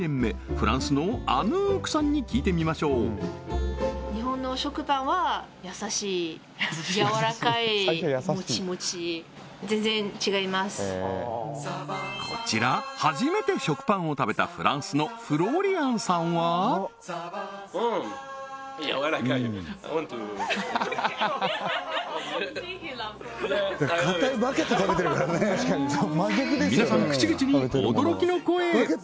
フランスのアヌークさんに聞いてみましょうこちら初めて食パンを食べたフランスのフロリアンさんは皆さん口々に驚きの声